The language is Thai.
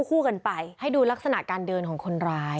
คู่กันไปให้ดูลักษณะการเดินของคนร้าย